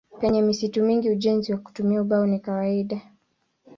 Penye misitu mingi ujenzi kwa kutumia ubao ni kawaida.